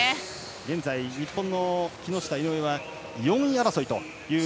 現在、日本の木下、井上は４位争い。